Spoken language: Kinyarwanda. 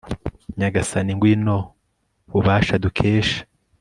nyagasani, ngwino bubasha dukesha